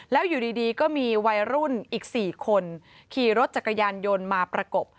แล้วอยู่ดีก็มีวัยรุ่นอีก๔คนขี่รถจักรยานยนต์มาประกบ